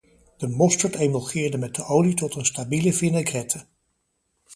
De mosterd emulgeerde met de olie tot een stabiele vinaigrette.